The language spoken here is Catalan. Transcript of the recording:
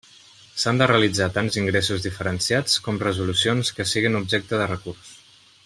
S'han de realitzar tants ingressos diferenciats com resolucions que siguen objecte de recurs.